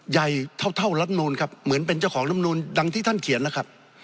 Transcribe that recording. ใหญ่เท่ารัฐนูลครับเหมือนเป็นเจ้าของลำนูนดังที่ท่านเขียนแล้วครับ